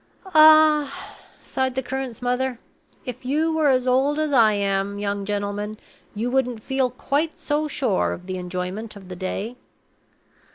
"Ah!" sighed the curate's mother, "if you were as old as I am, young gentleman, you wouldn't feel quite so sure of the enjoyment of the day!"